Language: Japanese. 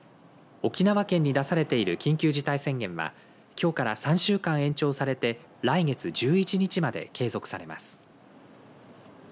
沖縄県に出されている緊急事態宣言はきょうから３週間延長されて来月１１日まで継続されます。